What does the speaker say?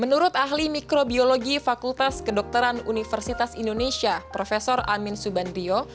menurut ahli mikrobiologi fakultas kedokteran universitas indonesia prof amin subandrio